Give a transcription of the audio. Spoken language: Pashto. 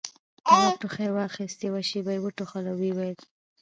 تواب ټوخي واخيست، يوه شېبه يې وټوخل، ويې ويل: